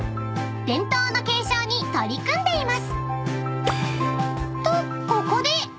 ［伝統の継承に取り組んでいます］